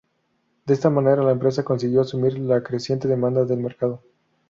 De esta manera la empresa consiguió asumir la creciente demanda del mercado.